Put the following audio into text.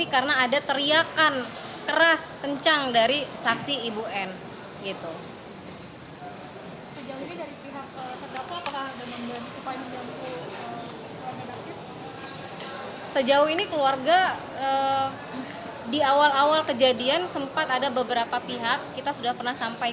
karena keheniannya tidak berhenti